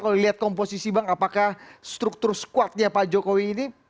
kalau lihat komposisi bang apakah struktur squad nya pak jokowi ini